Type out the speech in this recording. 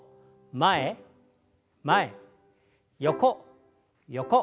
前前横横。